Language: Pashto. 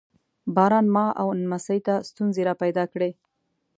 باران ما او نمسۍ ته ستونزې را پیدا کړې.